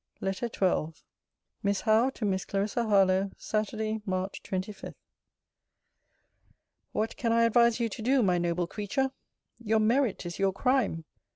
LETTER XII MISS HOWE, TO MISS CLARISSA HARLOWE SATURDAY, MARCH 25. What can I advise you to do, my noble creature? Your merit is your crime.